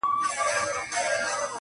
گواکي موږ به تل له غم سره اوسېږو٫